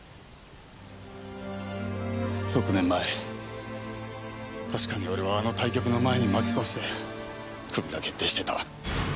６年前確かに俺はあの対局の前に負け越してクビが決定してた。